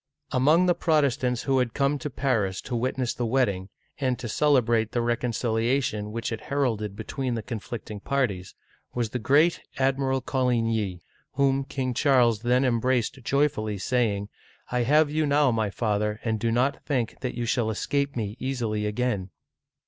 " Among the Protestants who had come to Paris to wit ness the wedding, and to celebrate the reconciliation which it heralded between the conflicting parties, was the great Admiral Co ligny, whom King Charles then embraced joyfully, saying, " I have you now, my father, and do not think that you shall escape me easily again